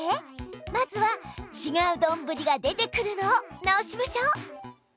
まずはちがうどんぶりが出てくるのを直しましょう！